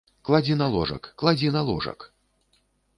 Кладзі на ложак, кладзі на ложак.